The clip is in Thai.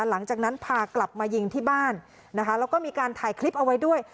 หลังจากนั้นพากลับมายิงที่บ้านนะคะแล้วก็มีการถ่ายคลิปเอาไว้ด้วย